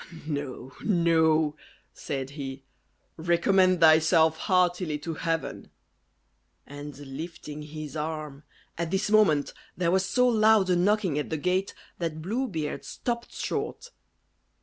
"No, no," said he; "recommend thyself heartily to Heaven." And lifting his arm At this moment there was so loud a knocking at the gate, that Blue Beard stopped short.